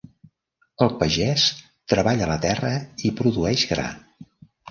El pagès treballa la terra i produeix gra.